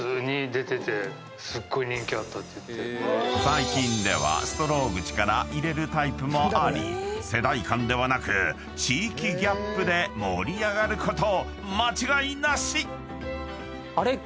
［最近ではストローぐちから入れるタイプもあり世代間ではなく地域ギャップで盛り上がること間違いなし！］